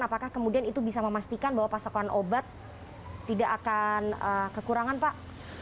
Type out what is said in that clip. apakah kemudian itu bisa memastikan bahwa pasokan obat tidak akan kekurangan pak